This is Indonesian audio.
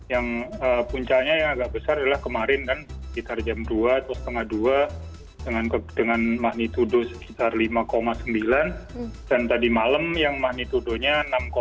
yang puncaknya yang agak besar adalah kemarin kan sekitar jam dua atau setengah dua dengan magnitudo sekitar lima sembilan dan tadi malam yang magnitudonya enam tujuh